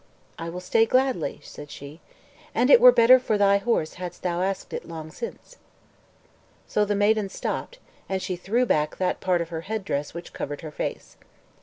"I will stay gladly," said she; "and it were better for thy horse hadst thou asked it long since." So the maiden stopped; and she threw back that part of her head dress which covered her face.